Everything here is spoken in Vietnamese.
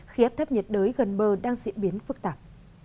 khi áp thấp nhiệt đới gần bờ đang diễn biến phức tạp